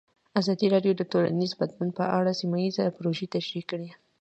ازادي راډیو د ټولنیز بدلون په اړه سیمه ییزې پروژې تشریح کړې.